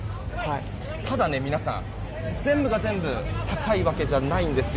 ただ皆さん、全部が全部高いわけじゃないんですよ。